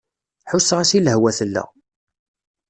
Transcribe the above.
Ḥusseɣ-as i lehwa tella.